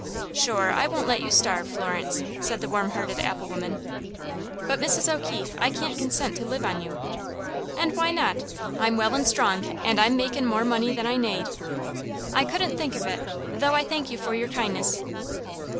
"Shure, I won't let you starve, Florence," said the warm hearted apple woman. "But, Mrs. O'Keefe, I can't consent to live on you." "And why not? I'm well and strong, and I'm makin' more money than I nade." "I couldn't think of it, though I thank you for your kindness."